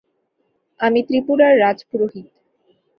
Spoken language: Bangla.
আমি ত্রিপুরার রাজপুরোহিত।